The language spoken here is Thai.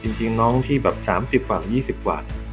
จริงน้องน้องที่๙๐๒๐ประมาณ